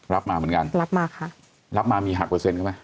รับมามีหักเปอร์เซ็นต์ใช่ไหม